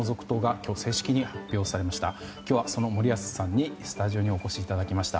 今日はその森保さんにスタジオにお越しいただきました。